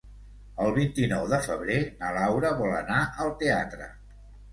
El vint-i-nou de febrer na Laura vol anar al teatre.